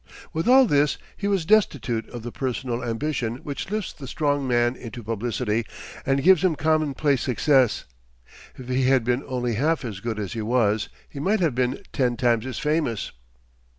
With all this, he was destitute of the personal ambition which lifts the strong man into publicity, and gives him commonplace success. If he had been only half as good as he was, he might have been ten times as famous.